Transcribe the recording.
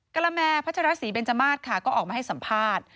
กระแมพัชรศรีเบนจมาสค่ะก็ออกมาให้สัมภาษณ์